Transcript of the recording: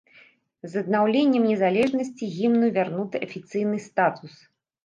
З аднаўленнем незалежнасці гімну вернуты афіцыйны статус.